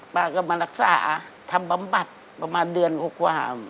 ป้าก็มารักษาทำบำบัดประมาณเดือนกว่า